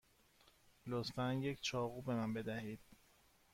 لطفا یک چاقو به من بدهید.